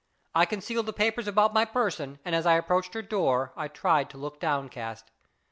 I concealed the papers about my person, and as I approached her door I tried to look downcast.